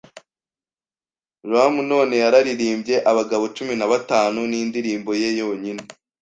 rum, none yararirimbye. 'Abagabo cumi na batanu' nindirimbo ye yonyine,